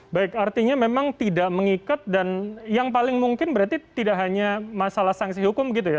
baik artinya memang tidak mengikat dan yang paling mungkin berarti tidak hanya masalah sanksi hukum gitu ya